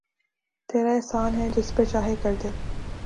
تیرا احسان ہے جس پر چاہے کردے